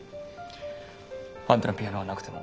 あんたのピアノがなくても。